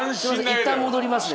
いったん戻りますね。